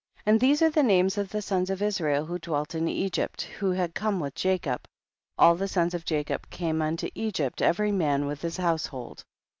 And these are the names of the sons of Israel who dwelt in Egypt, who had come with Jacob, all the sons of Jacob came unto Egypt, every man with his household.